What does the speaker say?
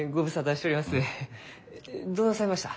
どうなさいました？